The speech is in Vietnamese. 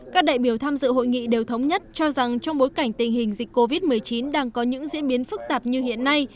các đại biểu tham dự hội nghị đều thống nhất cho rằng trong bối cảnh tình hình dịch covid một mươi chín đang có những diễn biến phức tạp như hiện nay